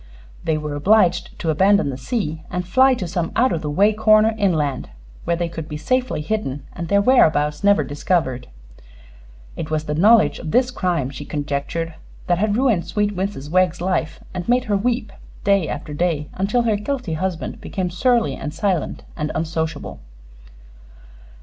They were obliged to abandon the sea and fly to some out of the way corner inland, where they could be safely hidden and their whereabouts never discovered. It was the knowledge of this crime, she conjectured, that had ruined sweet Mrs. Wegg's life and made her weep day after day until her guilty husband became surly and silent and unsociable.